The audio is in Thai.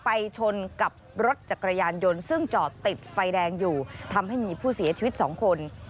ชนกับรถจักรยานยนต์ซึ่งจอดติดไฟแดงอยู่ทำให้มีผู้เสียชีวิตสองคน